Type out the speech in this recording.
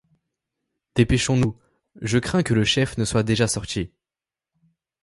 Dépêchons-nous, je crains que le chef ne soit déjà sorti.